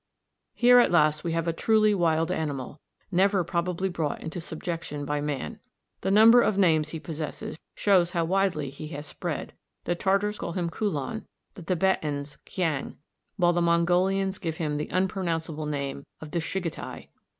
Here at last we have a truly wild animal, never probably brought into subjection by man. The number of names he possesses shows how widely he has spread. The Tartars call him "Kulan," the Tibetans "Kiang," while the Mongolians give him the unpronounceable name of "Dschiggetai."